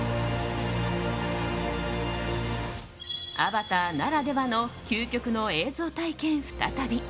「アバター」ならではの究極の映像体験、再び。